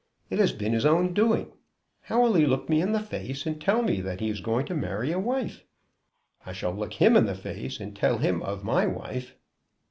It has been his own doing. How will he look me in the face and tell me that he is going to marry a wife? I shall look him in the face and tell him of my wife."